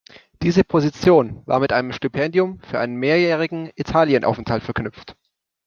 Diese Position war mit einem Stipendium für einen mehrjährigen Italienaufenthalt verknüpft.